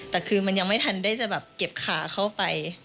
แต่คือมันยังไม่ทันได้จะแบบเก็บขาเข้าไป